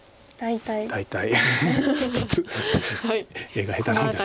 絵が下手なもんで。